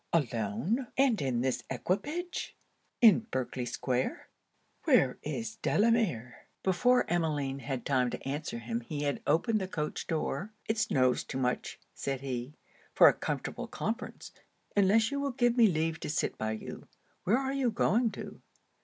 alone and in this equipage, in Berkley square! Where is Delamere?' Before Emmeline had time to answer him he had opened the coach door. 'It snows too much,' said he, 'for a comfortable conference, unless you will give me leave to sit by you; where are you going to?'